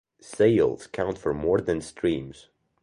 Sales count for more than streams.